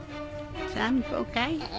散歩かい？